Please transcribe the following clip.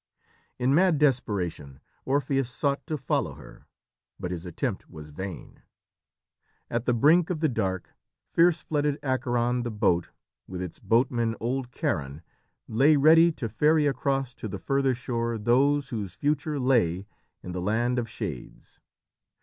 In mad desperation Orpheus sought to follow her, but his attempt was vain. At the brink of the dark, fierce flooded Acheron the boat with its boatman, old Charon, lay ready to ferry across to the further shore those whose future lay in the land of Shades.